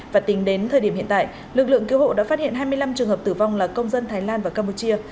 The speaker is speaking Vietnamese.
và tính đến thời điểm hiện tại lực lượng cứu hộ đã phát hiện hai mươi năm trường hợp tử vong là công dân thái lan và campuchia